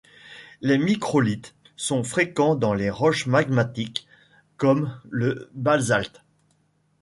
Les microlithes sont fréquents dans les roches magmatiques, comme le basalte.